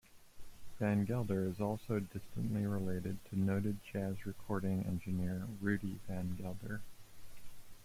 Van Gelder is also distantly related to noted Jazz recording engineer Rudy Van Gelder.